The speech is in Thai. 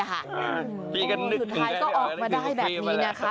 สุดท้ายก็ออกมาได้แบบนี้นะคะ